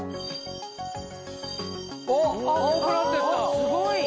すごい。